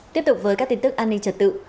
tiếp tục với các tin tức an ninh trật tự